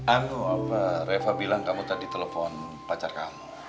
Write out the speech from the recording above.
anu apa reva bilang kamu tadi telepon pacar kamu